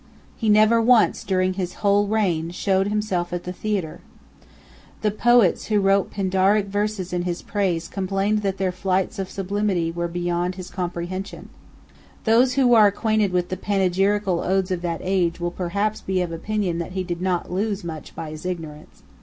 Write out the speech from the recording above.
He never once, during his whole reign, showed himself at the theatre. The poets who wrote Pindaric verses in his praise complained that their flights of sublimity were beyond his comprehension. Those who are acquainted with the panegyrical odes of that age will perhaps be of opinion that he did not lose much by his ignorance.